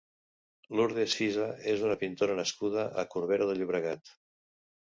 Lourdes Fisa és una pintora nascuda a Corbera de Llobregat.